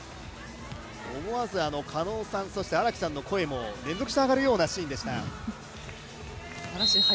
思わず狩野さん、荒木さんの声も連続して上がるようなシーンでした。